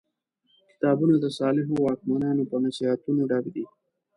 کتابونه د صالحو واکمنانو په نصیحتونو ډک دي.